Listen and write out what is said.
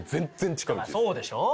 そうでしょ。